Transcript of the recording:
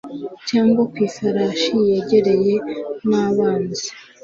cyangwa ku ifarashi, yegeranye nabanzi